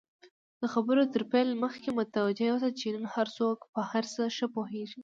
د خبرو تر پیل مخکی متوجه اوسه، چی نن هرڅوک په هرڅه ښه پوهیږي!